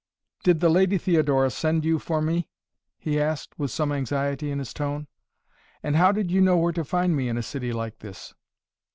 "Did the Lady Theodora send you for me?" he asked, with some anxiety in his tone. "And how did you know where to find me in a city like this?"